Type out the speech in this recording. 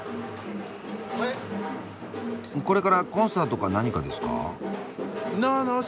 これからコンサートか何かですか？